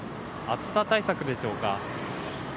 暑さ対策でしょうか。